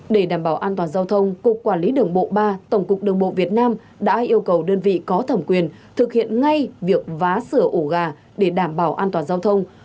để đảm bảo an toàn giao thông cục quản lý đường bộ ba tổng cục đường bộ việt nam đã yêu cầu đơn vị có thẩm quyền thực hiện ngay việc vá sửa ổ gà để đảm bảo an toàn giao thông